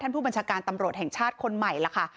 ผู้บัญชาการตำรวจแห่งชาติคนใหม่ล่ะค่ะ